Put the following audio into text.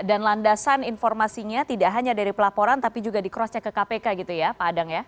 dan landasan informasinya tidak hanya dari pelaporan tapi juga di crossnya ke kpk gitu ya pak adang ya